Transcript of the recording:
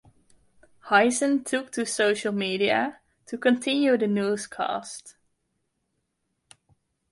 Hizon took to social media to continue the newscast.